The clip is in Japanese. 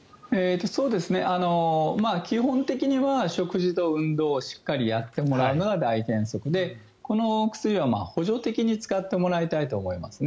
基本的には食事と運動をしっかりやってもらうのが大原則でこの薬は補助的に使ってもらいたいと思いますね。